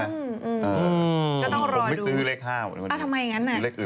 ๕ตรงไหนวะเห็นแต่๐ไม่เห็น๕เลย